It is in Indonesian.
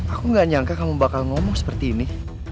aku gak nyangka kamu bakal ngomong seperti ini